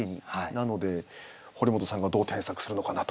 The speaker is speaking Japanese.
なので堀本さんがどう添削するのかなと。